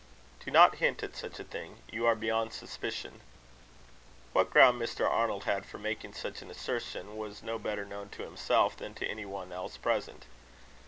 "Do not hint at such a thing. You are beyond suspicion." What ground Mr. Arnold had for making such an assertion, was no better known to himself than to any one else present.